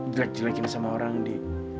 jelek jelekin sama orang di